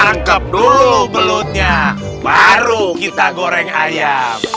tangkep dulu belutnya baru kita goreng ayam